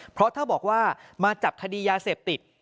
เพราะถ้าบอกว่ามาจับคดียาเสพติด